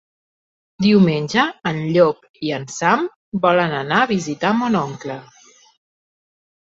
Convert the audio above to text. Diumenge en Llop i en Sam volen anar a visitar mon oncle.